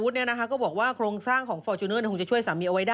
วรวุฒิเนี่ยนะคะก็บอกว่าโครงสร้างของฟอร์ชูเนอร์เนี่ยคงจะช่วยสามีเอาไว้ได้